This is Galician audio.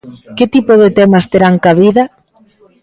Que tipo de temas terán cabida?